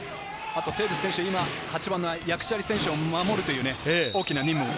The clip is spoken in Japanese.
テーブス選手、今、ヤクチャリ選手を守るという大きな任務を。